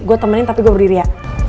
gue temenin tapi gue berdiri ya